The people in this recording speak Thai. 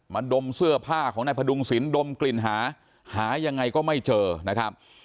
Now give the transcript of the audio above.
ดมเสื้อผ้าของนายพดุงศิลปมกลิ่นหาหายังไงก็ไม่เจอนะครับ